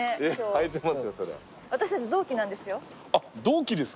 私たち同期なんですよ。